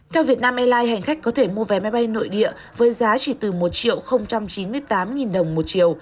theo việt nam airlines hành khách có thể mua vé máy bay nội địa với giá chỉ từ một chín mươi tám đồng một triệu